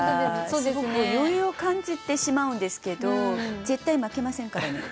すごく余裕を感じてしまうんですけど絶対負けませんからね。